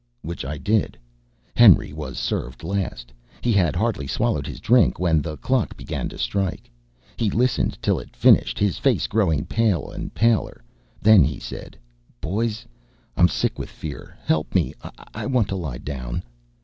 Which I did. Henry was served last. He had hardly swallowed his drink when the clock began to strike. He listened till it finished, his face growing pale and paler; then he said: "Boys, I'm sick with fear. Help me I want to lie down!"